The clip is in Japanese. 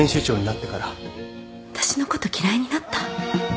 私のこと嫌いになった？